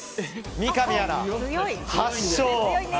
三上アナ、８勝。